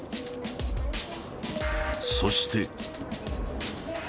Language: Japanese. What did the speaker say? そして。